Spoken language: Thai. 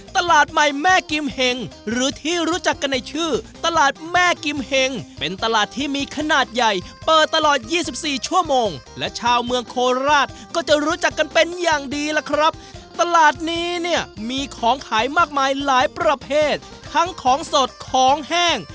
ตลาดใหม่แม่กิมเห็งหรือที่รู้จักกันในชื่อตลาดแม่กิมเห็งเป็นตลาดที่มีขนาดใหญ่เปิดตลอดยี่สิบสี่ชั่วโมงและชาวเมืองโคราชก็จะรู้จักกันเป็นอย่างดีล่ะครับตลาดนี้เนี่ยมีของขายมากมายหลายประเภททั้งของสดของแห้ง